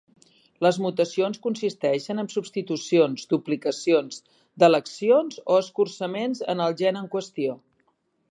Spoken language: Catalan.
Les mutacions consisteixen en substitucions, duplicacions, delecions o escurçaments en el gen en qüestió.